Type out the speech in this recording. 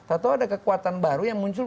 atau ada kekuatan baru yang muncul